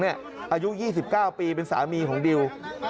อายุ๒๙ปีเป็นสามีของดิว